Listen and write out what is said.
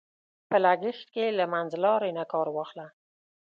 په لګښت کې له منځلارۍ نه کار واخله.